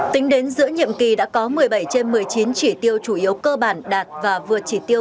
tính đến giữa nhiệm kỳ đã có một mươi bảy trên một mươi chín chỉ tiêu chủ yếu cơ bản đạt và vượt chỉ tiêu